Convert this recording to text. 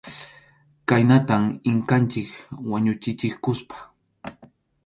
Khaynatam Inkanchik wañuchichikusqa.